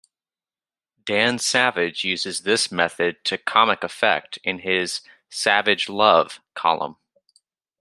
Dan Savage uses this method to comic effect in his "Savage Love" column.